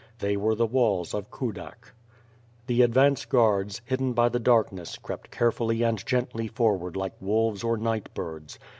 They were the walls of Kudak. The advance guards, hidden by the darkness, crept care fully and gently forward like wolves or night birds.